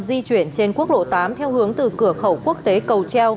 di chuyển trên quốc lộ tám theo hướng từ cửa khẩu quốc tế cầu treo